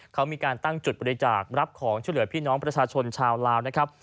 เขามีการตั้งจุดบริจาครับของช่วยเหลือพี่น้องประชาชนชาวลาวนะครับ